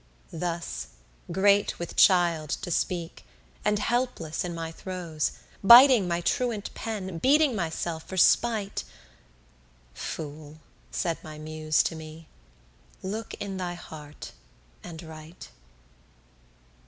Thus, great with child to speak, and helpless in my throes, Biting my truant pen, beating myself for spite "Fool," said my Muse to me, "look in thy heart and write."